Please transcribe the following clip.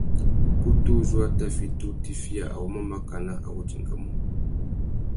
Ukutu uzú a tà tina utifiya awômô makana a wô dingamú.